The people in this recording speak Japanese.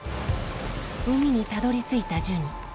海にたどりついたジュニ。